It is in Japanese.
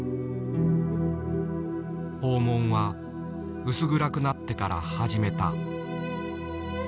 訪問は薄暗くなってから始めた。